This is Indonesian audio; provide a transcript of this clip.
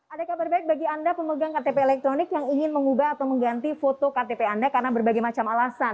ada kabar baik bagi anda pemegang ktp elektronik yang ingin mengubah atau mengganti foto ktp anda karena berbagai macam alasan